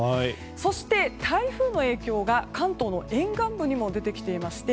そして台風の影響が関東の沿岸部にも出てきていまして